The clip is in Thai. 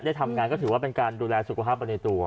ได้ทำงานก็ถือว่าเป็นการดูแลสุขภาพไปในตัว